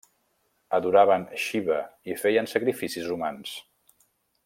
Adoraven Xiva i feien sacrificis humans.